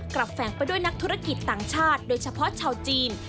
แฝงไปด้วยนักธุรกิจต่างชาติโดยเฉพาะชาวจีน